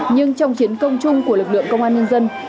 nhưng trong chiến công chung của lực lượng công an nhân dân